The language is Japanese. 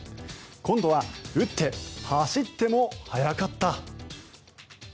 今度は打って、走っても速かった。